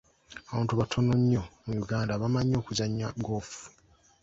Abantu batono nnyo mu Uganda abamanyi okuzannya ggoofu.